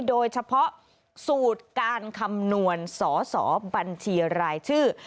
โดยเฉพาะสูตรการคำนวณสอสอบัญชีรายชื่อ